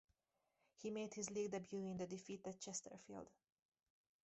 He made his league debut in the defeat at Chesterfield.